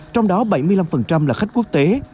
trong đó bảy mươi năm là khách quốc tế